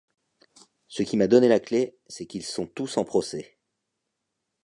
Ce qui m'a donné la clé, c'est qu'ils sont tous en procès.